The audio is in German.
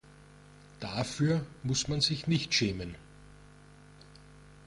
Dafür muss man sich nicht schämen.